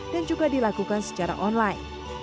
dan juga dilakukan secara online